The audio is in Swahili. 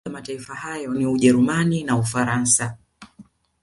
Baadhi ya mataifa hayo ni Ujerumani na Ufaransa